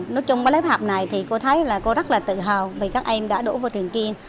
nói chung với lớp học này thì cô thấy là cô rất là tự hào vì các em đã đổ vào trường kiên